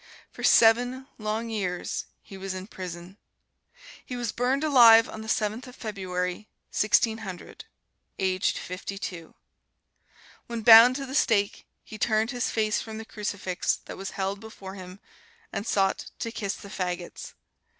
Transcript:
For seven long years he was in prison. He was burned alive on the Seventh of February, Sixteen Hundred, aged fifty two. When bound to the stake he turned his face from the crucifix that was held before him, and sought to kiss the fagots.